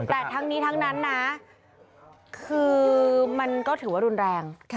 แต่ทั้งนี้ทั้งนั้นนะคือมันก็ถือว่ารุนแรง